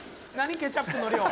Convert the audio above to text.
ケチャップの量。